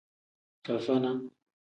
Fafana.